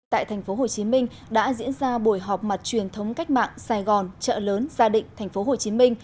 tại tp hcm đã diễn ra buổi họp mặt truyền thống cách mạng sài gòn chợ lớn gia định tp hcm